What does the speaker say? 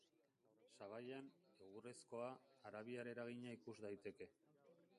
Sabaian, egurrezkoa, arabiar eragina ikus daiteke.